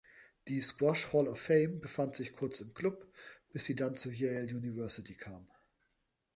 Die Squash Hall of Fame befand sich kurz im Club, bis sie dann zur Yale University kam.